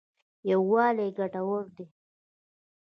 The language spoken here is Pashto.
یوالی ګټور دی.